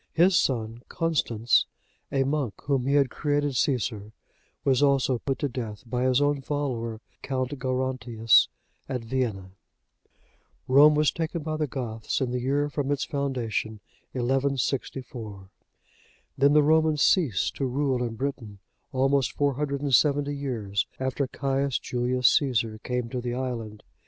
His son Constans, a monk, whom he had created Caesar, was also put to death by his own follower Count Gerontius,(71) at Vienne. Rome was taken by the Goths, in the year from its foundation, 1164.(72) Then the Romans ceased to rule in Britain, almost 470 years after Caius Julius Caesar came to the island.